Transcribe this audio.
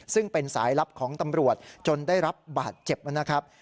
ซึ่งเป็นสายลับของตำรวจจนได้รับบาดเจ็บนะครับ